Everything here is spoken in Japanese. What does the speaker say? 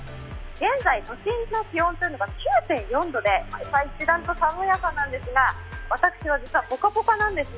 現在都心の気温が９．４度で、一段と寒い朝なんですが、私、実はポカポカなんですね。